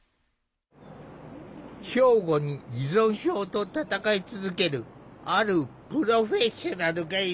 兵庫に依存症と闘い続けるあるプロフェッショナルがいる。